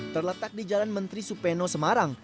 terletak di jalan menteri supeno semarang